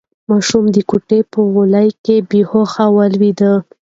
ماشوم د کوټې په غولي کې بې هوښه ولوېد.